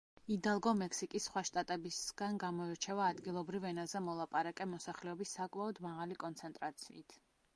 იდალგო მექსიკის სხვა შტატებისგან გამოირჩევა ადგილობრივ ენაზე მოლაპარაკე მოსახლეობის საკმაოდ მაღალი კონცენტრაციით.